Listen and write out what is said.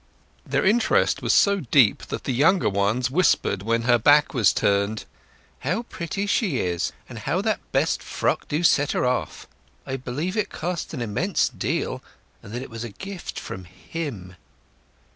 Their interest was so deep that the younger ones whispered when her back was turned— "How pretty she is; and how that best frock do set her off! I believe it cost an immense deal, and that it was a gift from him."